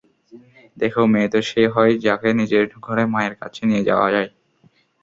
দেখো মেয়ে তো সে হয় যাকে নিজের ঘরে মায়ের কাছে নিয়ে যাওয়া যায়।